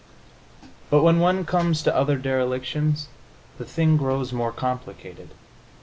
But when one comes to other derelictions the thing grows more complicated.